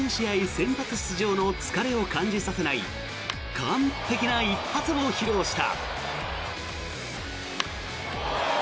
先発出場の疲れを感じさせない完璧な一発を披露した。